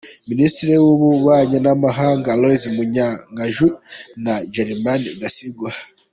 – Ministri w’ububanyi n’amahanga: Aloys Munyangaju na Germain Gasingwa,